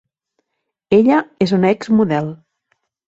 Ella és una ex model.